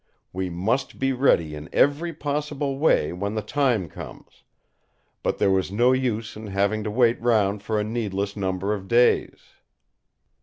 We must be ready in every possible way when the time comes; but there was no use in having to wait round for a needless number of days."